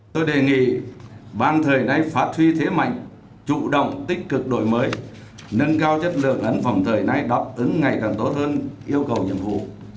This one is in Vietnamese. tôi đề nghị ban thời nay phát huy thế mạnh chủ động tích cực đổi mới nâng cao chất lượng ấn phẩm thời này đáp ứng ngày càng tốt hơn yêu cầu nhiệm vụ